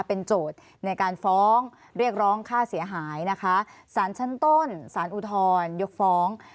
เป็นโจทย์ในการฟ้องเรียกร้องค่าเสียหายนะคะสารชั้นต้นสารอุทธรยกฟ้อง